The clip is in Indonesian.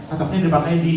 atau bisa dipakai lagi di